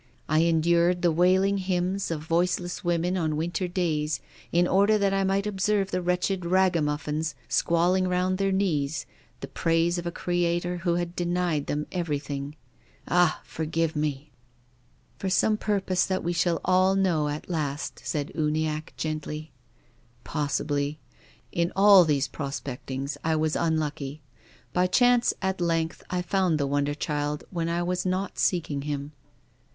I endured the wailing hymns of voiceless women on winter days in order that I might observe the wretched ragamufifins squalling round their knees the praise of a Creator who had denied them everything. Ah ! forgive me!" THE RAINBOW. 27 " For some purpose that we shall all know at last," said Uniacke gently. " Possibly. In all these prospectings I was un lucky. By chance at length I found the wonder child when I was not seeking him."